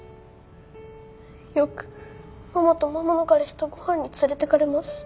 よくママとママの彼氏とご飯に連れてかれます。